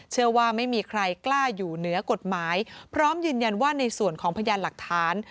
เชื่อว่าไม่มีใครกล้าอยู่เหนือกฎหมายพร้อมยืนยันว่าในส่วนของพยานหลักฐาน